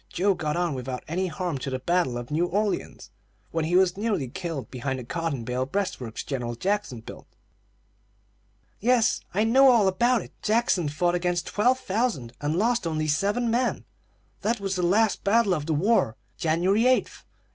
Joe got on without any harm till the battle of New Orleans, when he was nearly killed behind the cotton bale breastworks General Jackson built." "Yes, I know all about it. Jackson fought against twelve thousand, and lost only seven men. That was the last battle of the war, January 8, 1815.